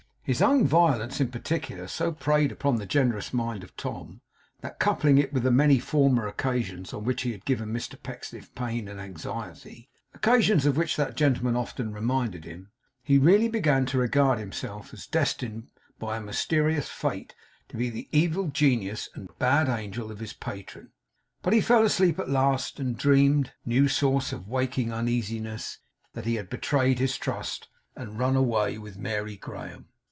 His own violence, in particular, so preyed upon the generous mind of Tom, that coupling it with the many former occasions on which he had given Mr Pecksniff pain and anxiety (occasions of which that gentleman often reminded him), he really began to regard himself as destined by a mysterious fate to be the evil genius and bad angel of his patron. But he fell asleep at last, and dreamed new source of waking uneasiness that he had betrayed his trust, and run away with Mary Graham.